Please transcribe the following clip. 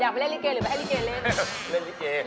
อยากไปเลเมงักการหรือแพงใบใบเมงักเล่นน่ะ